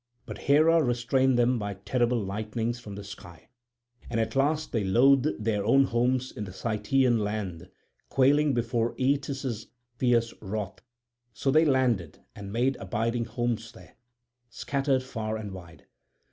But Hera restrained them by terrible lightnings from the sky. And at last they loathed their own homes in the Cytaean land, quailing before Aeetes' fierce wrath; so they landed and made abiding homes there, scattered far and wide.